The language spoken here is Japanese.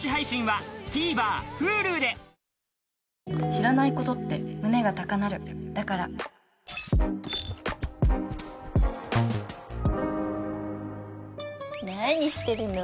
知らないことって胸が高鳴るだから何してるの？